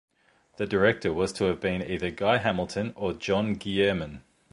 The director was to have been either Guy Hamilton or John Guillermin.